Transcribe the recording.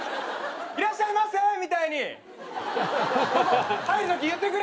いらっしゃいませみたいにここ入るとき言ってくれんだ。